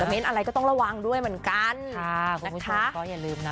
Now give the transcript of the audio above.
เน้นอะไรก็ต้องระวังด้วยเหมือนกันค่ะนะคะก็อย่าลืมนะ